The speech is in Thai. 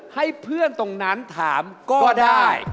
ให้เพื่อนตรงนั้นถามก็ได้